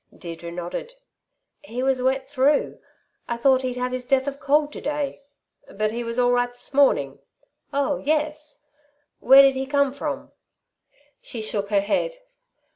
Deirdre nodded. "He was wet through. I thought he'd have his death of cold to day." "But he was all right this morning?" "Oh, yes." "Where did he come from?" She shook her head.